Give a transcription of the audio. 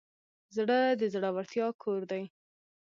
زړه د زړورتیا کور دی.